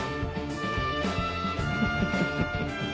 フフフフ。